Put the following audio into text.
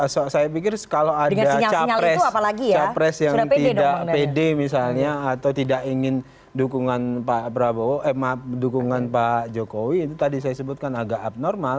saya pikir kalau ada capres yang tidak pede misalnya atau tidak ingin dukungan pak jokowi itu tadi saya sebutkan agak abnormal